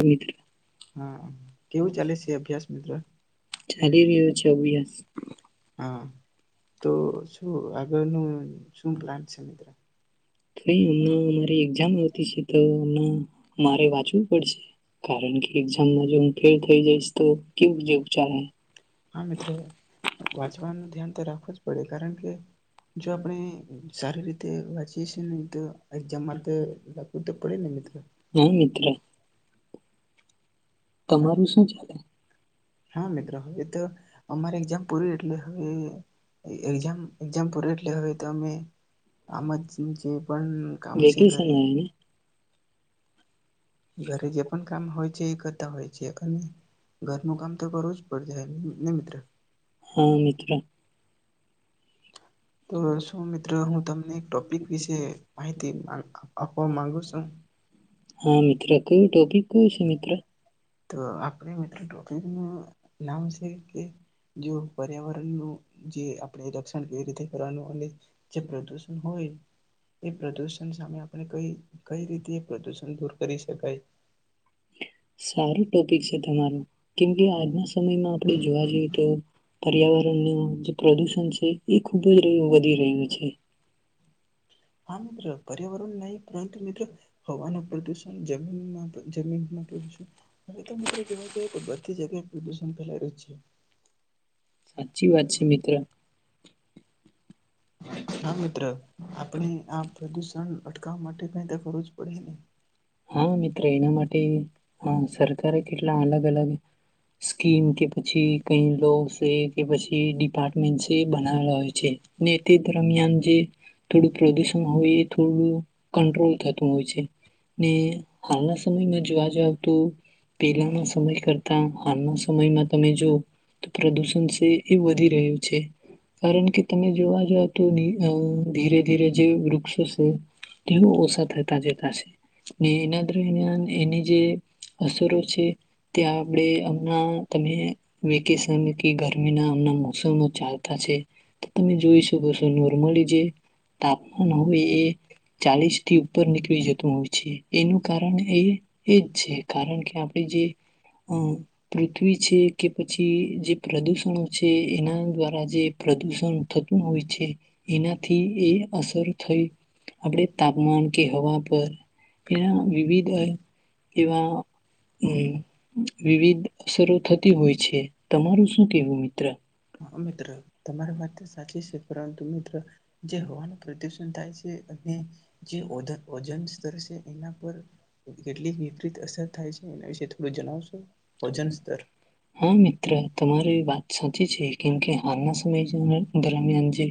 મિત હા કેવું ચાલે છે અભ્યાસ મિત્ર હા. તો શું આગળનું શું પ્લાન છે મિત્ર? કારણ કે એક્ઝામમાં જો હું ફેલ થઇ જઈશ તો કેવું જેવું ચાલે. પડે કારણ કે જો આપણે સારી રીતે વાંચીએ છીએ ને તો એક્ઝામમાં તો વાંચવું તો પડે ને મિત્ર. હા મિત્ર હવે તો અમારે એક્ઝામ પૂરી એટલે હવે એક્ઝામ-એક્ઝામ પૂરી એટલે હવે તમે આમાં જે જે પણ કામ છે ઘરે... ઘરે જે પણ કામ હોય છે એ કરે.. તમે [unintelligible] હા મિત્ર તો શું મિત્રો હું તમને એક ટોપિક વિશે માહિતી આપવા માંગુ છું હા મિત્ર કયું ટોપિક કયું છે મિત્ર તો આપણે મિત્ર ટોપિકન.. નામ છે કે જો પર્યાવરણનું... જે આપણે રક્ષણ કેવી રીતે કરવાનું અને- જે પ્રદૂષણ હોય.. એ પ્રદુષણ સામે આપણે કઈ કઈ રીતે પ્રદુષણ.. દૂર કરી શકાય. સારું ટોપિક છે તમારું કેમકે આજના સમયમાં આપણે જોવા જઈએ તો પર્યાવરણનું જે પ્રદુષણ છે એ ખુબ જ [unintelligible] વધી રહ્યું છે. [inaudible] હા મિત્ર પર્યાવરણ નહીં પરંતુ મિત્રો હવાનું પ્રદુષણ જમીનમાં જમીન પ્રદુણ હવે તો મિત્રો જોવા જઈએ તો બધી જગ્યાએ પ્રદુષણ ફેલાયું છે. સાચી વાત છે મિત્ર હા મિત્ર આપણે આ પ્રદુષણ અટકાવા માટે કઈ તો કરું જ પડે ને હા મિત્ર એના માટે અ સરકારે કેટલા અલગ અલગ સ્કીમ કે પછી કઈ લો છે કે પછી ડિપાર્ટમેન્ટ છે બનાવેલા હોય છે ને તે દરમિયાન જે થોડું પ્રદુષણ હોય એ થોડું કંટ્રોલ થતું હોય છે. ને હાલના સમયમાં જોવા જાવ તો પહેલાના સમય કરતા હાલના સમયમાં તમે જો તો પ્રદુષણ સે એ વધી રહ્યું છે કારણ કે તમે જોવા જઓ તો ધીરે ધીરે જે વૃક્ષો છે તેઓ ઓછા થતા જતા છે. ને એના દરમિયાન એની જે અસરો છે તે આપણે હમના તમે વેકેશન કે ગરમીનામના મોસમ ચાલતા છે તો તમે જોઈ શકો છો નોર્મલી જે તાપમાન હોય એ ચાલીસ થી ઉપર નીકળી જતું હોય. છે એનું કારણ એ એજ છે કારણ કે આપડી જે અ પૃથ્વી છે કે પછી જે પ્રદૂષણો છે એના દ્વારા જે પ્રદુષણ થતું હોય છે એનાથી એ અસર થઈ આપણે તાપમાન કે હવા પર એના વિવિધ એવા વિવિધ અસરો થતી હોય છે તમારું શું કેવું મિત્ર? હા મિત્ર તમારી વાત ત સાચી છે. પરંતુ મિત્ર જે હવા નુ [unintelligible] થાય છે એ [inaudible] રશે એના પર કેટલીક વિપરીત અસર થાય છે એના વિશે થોડું જણાવશો. હા મિત્ર તમારી વાત સાચી છે કેમકે હાલના સમય [unintelligible] દરમિયાન જે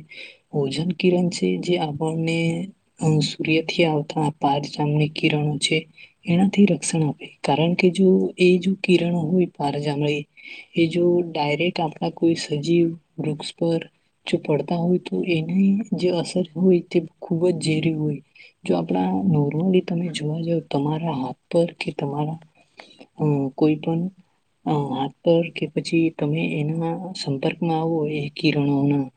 ઓજન કિરણ છે જે આપણને અ સૂર્યથી આવતા પાંચ જામની કિરણો છે એનાથી રક્ષણ આપે કારણ કે જો એ જો કિરણો હોય પારજાની મળી એ જો ડાયરેક્ટ આપણા કોઈ સજીવ વૃક્ષ પર જો પડતા હોય તો એની જે અસર હોય તે ખૂબ જ ઝેરી હોય જો આપણા નોર્મલી તમે જોવા જાવ તમારા હાથ પર કે તમારા ઓ કોઈ પણ અ હાથ પર કે પછી તમે એના સંપર્કમાં આવો એ કિરણોના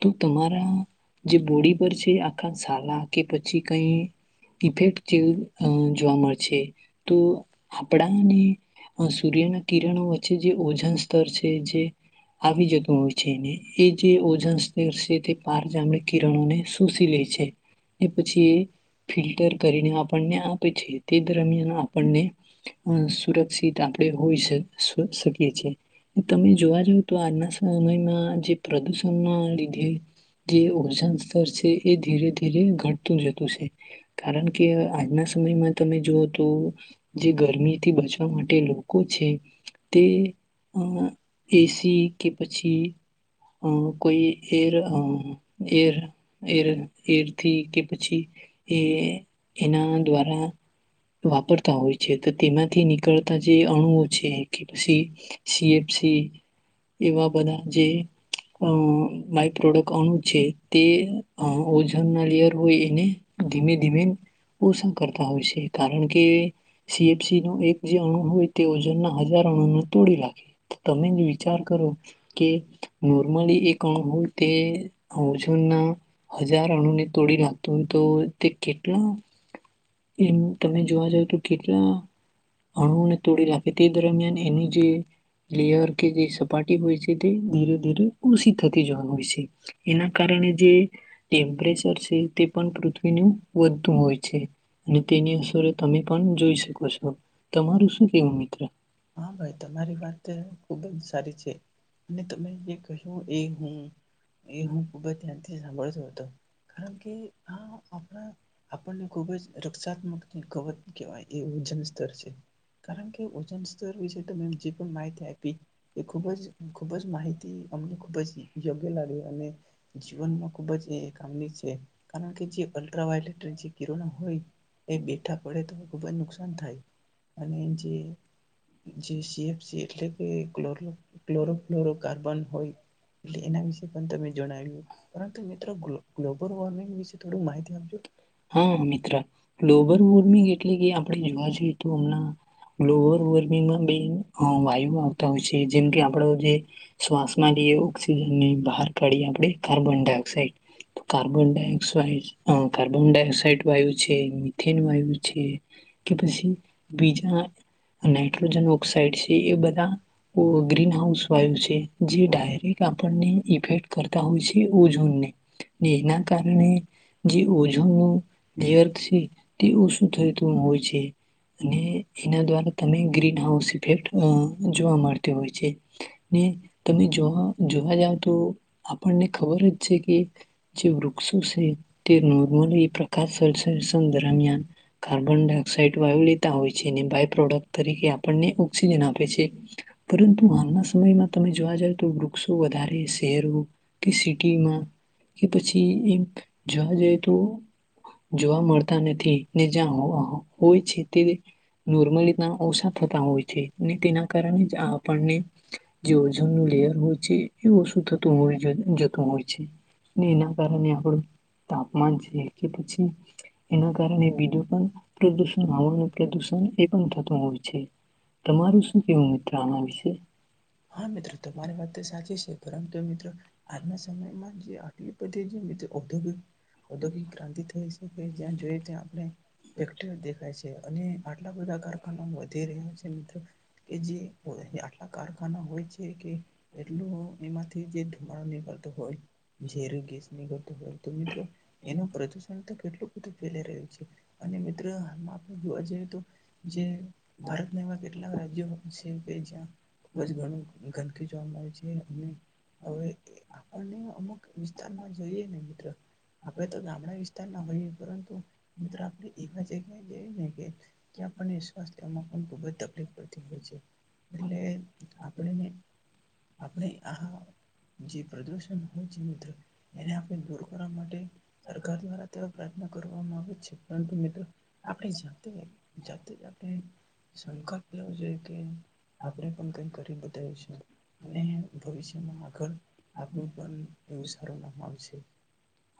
તો તમારા જે બોડી પર છે, આખા સાલા કે પછી કઈ ઇફેક્ટ જોવા અ મળશે તો આપણાને અ સૂર્યના કિરણો વચ્ચે જે ઓજ [unintelligible] આપણે હોઈ [inaudible] શકીએ છીએ તમે જોવા જાવ તો આજના સમયમાં જે પ્રદુષણના લીધે જે ઓજન સ્તર છે, એ ધીરે ધીરે ઘટતું જતું છે, કારણ કે આજના સમયમાં તમે જુઓ તો જે ગરમીથી બચ માટે લોકો છે તે અ એસી કે પછી અ કોઈ એર અ એર એર એરથી કે પછી એ એના દ્વારા વાપરતા હોય છે તો તેમાંથી નિક નીકળતા જે અણુઓ છે, કે પછી સી એફ સી એવા બધા જે અ માય પ્રોડક્ટ અણુ છે, તે ઓજનના લેયર હોય એને ધીમે ધીમે ઓછા કરતા હોય છે, કારણ કે સી એફ સી નો એક જે અણુ હોય તે ઓજનના હજાર અણુને તોડી લાખે તમે જ વિચાર કરો કે નોર્મલી એક અણુ હોય તે ઓજનના હજાર અણુને તોડી લાખતો હોય તો તે કેટલા એમ તમે જોવા જાવ તો કેટલા અણુને તોડીને આપે તે દરમિયાન એની જે લેયર કે જે સપાટી હોય છે, તે ધીરે ધીરે ઓછી થતી [unintelligible] હોય છે, એના કારણે જે ટેમ્પરેચર છે, તે પણ પૃથ્વીનું વધતું હોય છે, અને તેની અસરો તમે પણ જોઈ શકો છો. તમારુ શું કેવું મિત્રો? હા ભાઈ તમારી વાત ત ખુબ જ સારી છે. અને તમે જે કહ્યુ એ હું એ હું ખૂબ જ ધ્યાનથી સાંભળતો હતો કારણ કે આ આપણા આપણને ખુબ જ રક્ષાત્મક કવચ કહેવાય એવુ ઓજનસ્તર છે, કારણ કે ઓજનસ્તર વિશે તમે જે પણ માહિતી આપી એ ખૂબ જ ખુબ જ માહિતી અમને ખૂબ જ યોગ્ય લાગી અને જીવનમાં ખુબ જ એક [inaudible] કારણ કે જે અલ્ટ્રાવાલેટ જે કિરણા હોય એ બેઠા પડે તો ખુબ જ નુ નુકસાન થાય અને જે જે સી એફ સી એટલે એ ક્લોરલો ક્લોરો ક્લોરો કાર્બન હોય એટલે એના વિશે પણ તમે જણાવ્યું. પરંતુ મિત્રો ગ્લો ગ્લોબલવોર્મિંગ વિશે થોડુંક માહિતી આપજો. હા મિત્ર ગ્લોબલવોર્મિંગ એટલે કે આપણે જોવા જઈએ તો હમણા લોબલવોર્મિંગમાં બે વાયુ આવતા હોય છે, જેમ કે આપડો જે શ્વાસમાં લઈએ ઓઑક્સિજન ને બહાર કાઢીએ આપણે કાર્બન ડાયોક્સાઇડ કાર્બન ડાયોક્સાઇડ અ કાર્બન ડાયોક્સાઇડ વાયુ છે, મિથેન વાયુ છે, કે પછી બીજા નાઈટ્રોજન ઓક્સાઇડ છે, એ બધા ગ્રીન હાઉસ વાયુ છે, જે ડાયરેક્ટ આપણને ઇફેક્ટ કરતા હોય છે, ઓજોનને એના કારણે જે ઓજ ઓઝાનનું લેયર છે તે ઓછું થયતું હોય છે, અને એના દ્વારા તમે ગ્રીનહાઉસ ઇફેક્ટ જોવા મળતી હોય છે, ને તમે જોવા જોવા જાવ તો આપણને ખબર જ છે કે જે વૃક્ષો છે, તેનુ [inaudible] કાર્બન ડાયોક્સાઇડ વાયુ લેતા હોય છે, અને બાય પ્રોડક્ટ તરીકે આપણને ઓક્સિજન આપે છે, પરંતુ હાલના સમયમાં તમે જોવા જાવ તો વૃક્ષો વધારે શહેરે કે સિટીમાં કે પછી એ જોવા જ તો જોવા મળતા નથી ને જ્યાં હો હો હોય છે, તે નોર્મલી ત્યાં ઓછા થતા હોય છે, ને તેના કારણે જ આપણને જે ઓજનનું લેયર હોય છે, એ ઓછું થતું હોતું હોય છે, ને એના કારણે આપણું તાપ [inaudible] છે, કે પછી એના કારણે બીજું પણ પ્રદુષણ હવાનું પ્રદુષણ એ પણ થતું હોય છે, તમારું શું કેવું મિત્ર આના વિશે? હા મિત્ર તમારી વાત તો સાચી છે, પરંતુ મિત્ર આજ સમયમાં જે આ એ [unintelligible] ઔદ્યોગિક ઔદ્યોગિક ક્રાંતિ થઈ છે. જ્યાં જોઈએ ત્યાં આપણે ફેક્ટરીઓ દેખાય છે, અને આટલા બધા કારખાના વધી રહ્યા છે, મિત્રો કે જે ઓ આટલા કારખાના હોય છે, કે એટલું એમાંથી જે ધુમાડો નીકળતો હોય ઝેરું ગેસ નીકળતો હોય તો મિત્રો એનું પ્રદૂષણ તક કેટલું બધું ફેલાઈ રહ્યું છે, અને મિત્ર હાલમાં આપણે જોવા જઈએ તો જે ભારતના એવા કેટલાક રાજ્યો છે, કે જ્યાં ખુબ જ ઘણું ગંદકી જોવા મળે છે, અને હવે આપને અમુક વિસ્તારમાં જોઈએ ને મિત્ર આપડે તો ગામડા વિસ્તાર ના ભય પરંતુ મિત્રો આપણે એવા જ એક એ જ [unintelligible] કે આપણને શ્વાસ લેમાં ખુબ જ તકલીફ પડતી હોય છે. એટલે [inaudible] આપણે આ જે પ્રદૂષણ હોય જે મિત્રો એને આપણે દૂર કરવા માટે સરકાર દ્વારા તેવા પ્રયત્નો કરવામાં આવે છે પરંતુ મિત્ર આપણે જાતે જાતે જ આપણે સંકલ્પ લેવો જોઈએ કે આપણે પણ કઈ કરી બ [inaudible] અને ભવિષ્ય જમાં [unintelligible] આપનું પન એવું સારું નામ આવશે.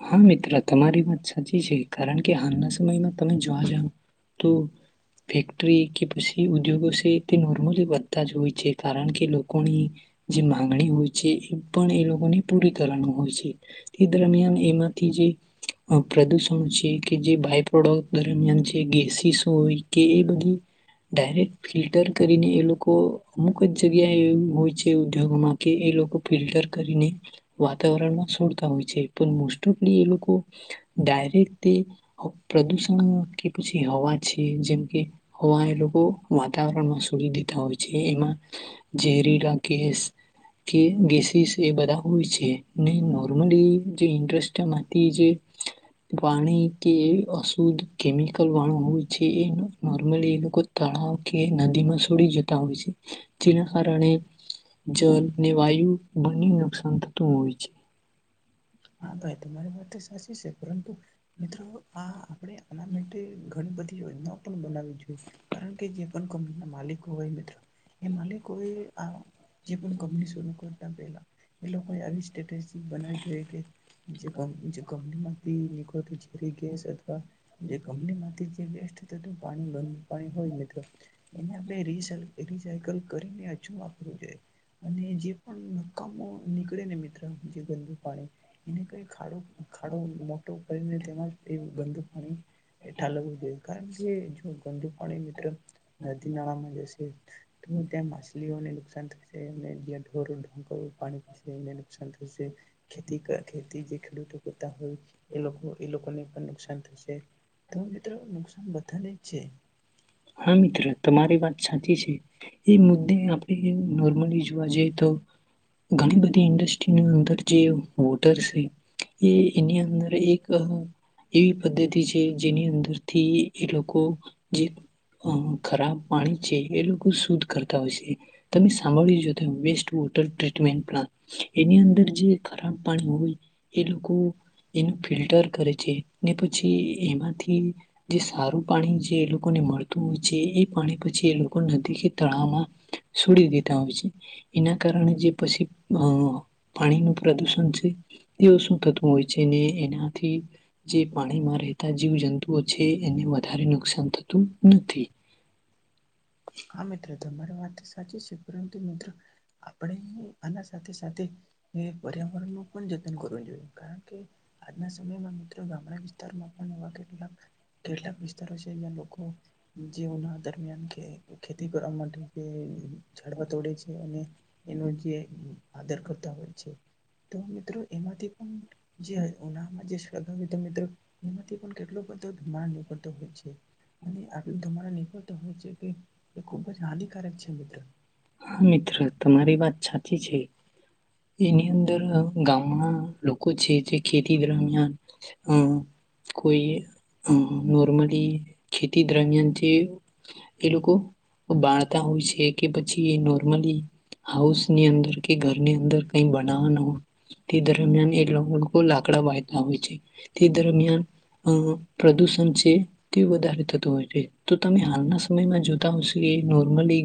હા મિત્ર તમારી વાત સાચી છે. કારણ કે હાલના સમયમાં તમે જોવા જાવ તો ફેક્ટરી કે પછી ઉદ્યોગો સે તે નોર્મલી વધતા જ હોય છે કારણ કે લોકોની જે માંગણી હોય છે એ પણ એ લોકોને પૂરી કરવાનું હોય છે તે દરમિયાન એમાંથી જે પ્રદૂષણ છે કે જે બાય પ્રોડક્ટ દરમિયાન છે ગેસીસ હોય કે એ બધી ડાયરેક્ટ ફિલ્ટર કરીને એ લોકો અમુક જ જગ્યા એવું હોય છે ઉદ્યોગમાં કે એ લોકો ફિલ્ટર કરીને વાતાવરણમાં છોડતા હોય છે પણ એ લોકો ડાયરેક્ટ એ પ્રદુષણ કે પછી હવા છે જેમ કે હવા એ લોકો વાતાવરણમાં સોડી દેતા હોય છે એમાં ઝેરીલા કેસ કે ગેસીસ એ બધા હોય છે ને નોર્મલી જે ઇન્ માંથી જે પાણી કે અશુદ્ધ કેમિકલ વાળું હોય છે એ નોર્મલી એ લોકો તળાવ કે નદીમાં સોડી જતા હોય છે જેના કારણે જળ ને વાયુ બંને નુકસાન થતું હોય છે. તે સાચી છે પરંતુ મિત્રો આ આપણે આના માટે ઘણી બધી યોજનાઓ પણ બનાવવી જોઈએ કારણ કે જે પણ કંપનીના માલિકો હોય મિત્ર એ માલિકએ આ જે પણ કંપની શરૂ કરતા પેલા એ લોકોએ આવી સ્ટ્રેટેજી બનાવી જોઈ કે જે કંપની માંથી નીકળતો ઝેરી ગેસ અથવા જે કંપની માંથી જે વેસ્ટ પાણી બંધ હોય એને આપડે રિસા રિસાયકલ કરીને વાપરું જોઈએ. અને જે પણ નક્કામો નીકળે ને મિત્ર જે ગંદુ પાણી એને કઈ ખાડો ખાડો મોટો કરીને તેમાં એ ગંદુ પાણીઠાલવવું જોઈએ કારણ કે જો ગંદુ પાણી મિત્ર નદી નાળામાં જશે તો ત્યાં માછલીઓને નુકસાન થશે. એ એ ઢોર ધનકોર પાણી પીશે એ નુકસાન થાયશે. ખેતી ખેતી જે ખેડૂતો કરતા હોય એ એ લોકોને પણ નુકાન સાઠું છે. તો મિત્રો નુકસાન બધાને જ છે. હા મિત્ર તમારી વાત સાચી છે એ મુદ્દે આપણે નોર્મલી જોવા જઈએ તો ઘણી બધી ઇન્ડસ્ટ્રીની અંદર જે વોટર છે. એ એની અંદર એક એવી પદ્ધતિ છે જેની અંદરથી એ લોકો ઓ જ અ ખરાબ પાણી છે એ લોકો શુદ્ધ કરતા હોય છે તમે સાંભળીજ ત વેસ્ટ વોટર ટ્રીટમેન્ટ પ્લાન્ટ એની અંદર જે ખરાબ પાણી હોય. એ લોકો એનું ફિલ્ટર કરે છે ને પછી પછી એમાંથી જે સારું પાણી જે એ લોકોને મળે છે એ પાણી પછી એ લોકો નદી કે તળાવમાં છડી દતા હો છે. એના કારણે જે પછી અ પાણીનું પ્રદુષણ છે એ શું થતું હોય છે ને એનાથી જે પાણીમાં રહેતા જીવ જંતુઓ છે એને વધારે નુકસાન થતું. નથી. તમારા વાત સાચી છે પરંતુ મિત્રો આપણે આના સાથે સાથે એ પર્યાવરણ પણ જ જોઈએ કારણ કે આના સુમે મ ગામડા વિસ્તારમાં પણ એવા કેટલા કેટલાક વિસ્તારો છે જ્યાં લોકો જીવન દરમિયાન કે ખેતી કરવા માટે જે ઝાડવા તોડે છે અને એનું જે આદર કરતા હોય છે તો મિત્રો એમાંથી પણ જ હયમાં જે તો મિત્રો. એમાંથી પણ કેટલો બ તો જ્ઞાન ઉપર તો હું છે? અને [unintelligible] મારા નિભતા હું છે? તે એ ખુબ જ હાનિકારક છે. [unintelligible] હા મિત્ર, તમારી વાત સાચી છે. એની અંદરના ગામના લોકો છે જે ખેતી દરમિયાન હમ્મ. કોઈએ [unintelligible] નોર્મલી ખેતી દરમિયાન જે એ લોકો બાળતા હોય છે કે પ એ નોર્મલી હાઉસ ની અંદર કે ઘરની અંદર કય બનાવાનું તે દરમિયાન એ લોકો લાકડા [unintelligible] લાવે છે તે દરમિયાન અ પ્રદુષણ છે તે વધારે થતું હોય તે તો તમે હાલના સમયમાં જોતા હોશો એ નોર્મલી ગે